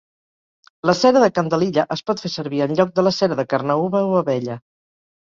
La cera de candelilla es pot fer servir enlloc de la cera de carnauba o abella.